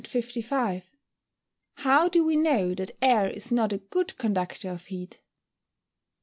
_How do we know that air is not a good conductor of heat?